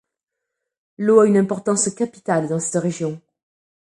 L'eau a une importance capitale dans cette région.